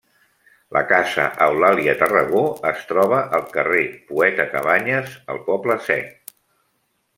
La Casa Eulàlia Tarragó es troba al carrer Poeta Cabanyes, al Poble Sec.